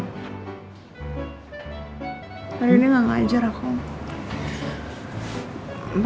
aduh ini gak ngajar aku